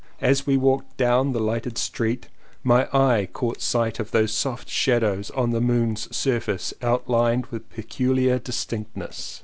As we walked down the lighted street my eye caught sight of those soft shadows on the moon's surface outhned with pecuhar dis tinctness.